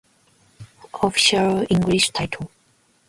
Official English title.